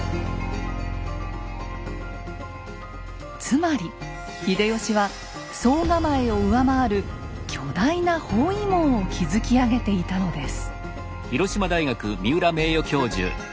つまり秀吉は総構を上回る巨大な包囲網を築き上げていたのです。